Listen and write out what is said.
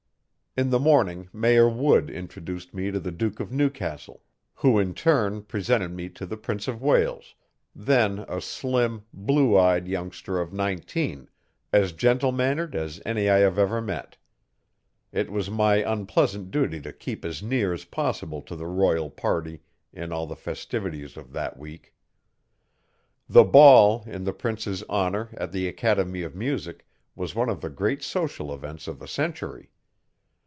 In the morning Mayor Wood introduced me to the Duke of Newcastle, who in turn presented me to the Prince of Wales then a slim, blue eyed youngster of nineteen, as gentle mannered as any I have ever met. It was my unpleasant duty to keep as near as possible to the royal party in all the festivities of that week. The ball, in the Prince's honour, at the Academy of Music, was one of the great social events of the century.